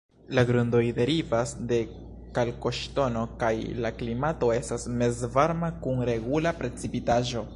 La grundoj derivas de kalkoŝtono, kaj la klimato estas mezvarma kun regula precipitaĵo.